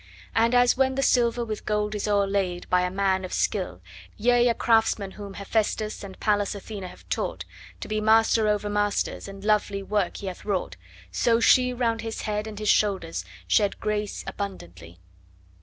And as when the silver with gold is o'erlaid by a man of skill, Yea, a craftsman whom Hephaestus and Pallas Athene have taught To be master over masters, and lovely work he hath wrought; So she round his head and his shoulders shed grace abundantly.